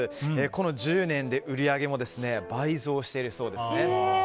この１０年で売り上げも倍増しているそうですね。